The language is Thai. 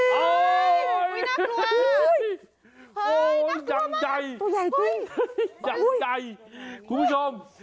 อุ๊ยน่ากลัวน่ากลัวมากตัวใหญ่จริงจังใจคุณผู้ชม